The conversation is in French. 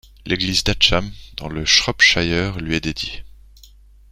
L'église d'Atcham, dans le Shropshire, lui est dédiée.